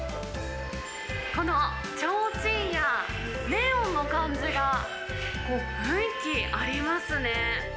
このちょうちんやネオンの感じが、こう、雰囲気ありますね。